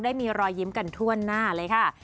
ได้มีรอยยิ้มกันทั่วหน้าเลยค่ะ